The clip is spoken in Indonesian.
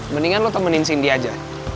mendingan lo temenin sindi aja